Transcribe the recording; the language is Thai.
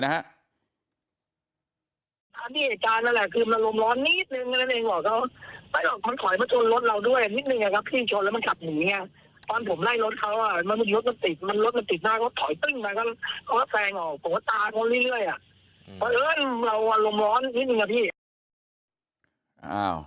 นะฮะ